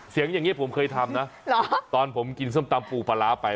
เสียงอย่างเงี้ยผมเคยทำนะหรอตอนผมกินส้มตำปูผลาไป